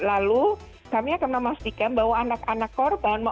lalu kami akan memastikan bahwa anak anak korban